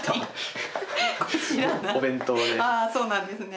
あそうなんですね。